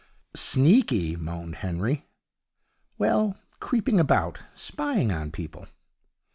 'Sneaky!' moaned Henry. 'Well, creeping about, spying on people.'